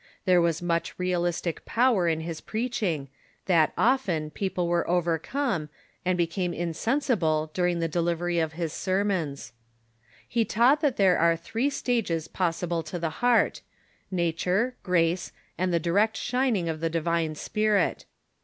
There was such realistic power in his preaching that, often, people were overcome, and became insensible during the de livery of his sermons. He taught that there are three stages possible to the heart — nature, grace, and the direct shining of the Divine Spirit.